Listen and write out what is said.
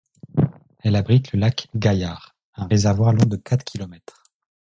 Elle abrite le lac Gaillard, un réservoir long de quatre kilomètres.